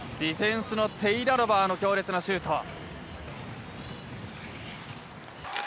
ディフェンスのテイラロバーの強烈なシュート。